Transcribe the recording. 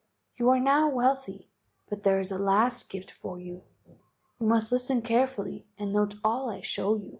You are now wealthy, but there is a last gift for you. You must listen carefully and note all I show you."